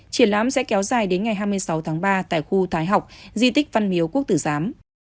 triển lãm sẽ kéo dài đến ngày hai mươi sáu tháng ba tại khu thái học di tích văn miếu quốc tử giám